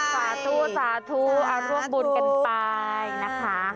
สาธุสาธุร่วมบุญกันไปนะคะ